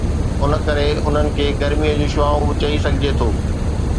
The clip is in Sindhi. ان ڪري انهن کي گرميءَ جون شعاعون به چئي سگهجي ٿو